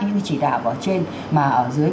những cái chỉ đạo ở trên mà ở dưới